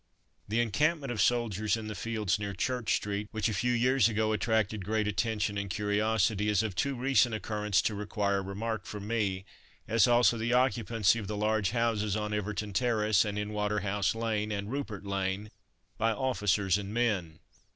The encampment of soldiers in the fields near Church street, which a few years ago attracted great attention and curiosity, is of too recent occurrence to require remark from me, as also the occupancy of the large houses on Everton terrace and in Waterhouse lane and Rupert lane by officers and men.